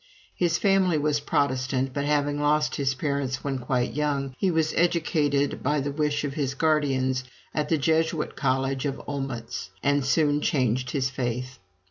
His family was Protestant; but having lost his parents when quite young, he was educated, by the wish of his guardians, at the Jesuit college of Olmutz, and soon changed his faith.